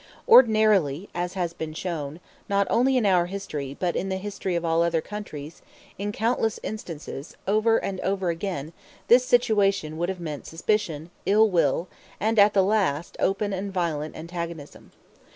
Ordinarily, as has been shown, not only in our history, but in the history of all other countries, in countless instances, over and over again, this situation would have meant suspicion, ill will, and, at the last, open and violent antagonism.